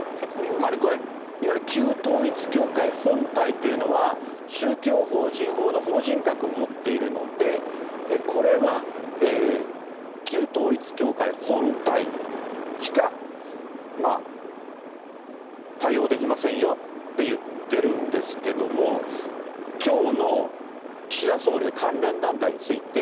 つまりこれ、いわゆる旧統一教会本体というのは、宗教法人法の法人格を持っているので、これは旧統一教会本体しか、対応できませんよって言ってるんですけども、きょうの岸田総理は関連団体について。